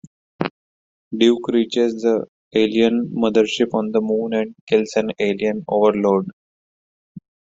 Duke reaches the alien mothership on the Moon and kills an alien Overlord.